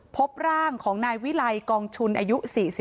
พบร่างของนายวิไลกองชุนอายุ๔๒